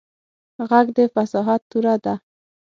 غږ د فصاحت توره ده